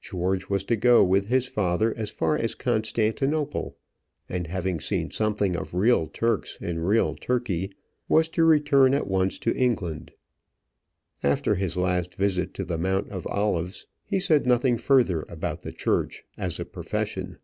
George was to go with his father as far as Constantinople, and, having seen something of real Turks in real Turkey, was to return at once to England. After his last visit to the Mount of Olives, he said nothing further about the church as a profession.